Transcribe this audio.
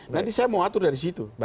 nanti saya mau atur dari situ